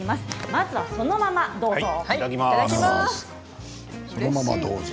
まずは、そのままどうぞ。